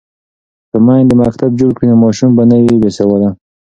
که میندې مکتب جوړ کړي نو ماشوم به نه وي بې سواده.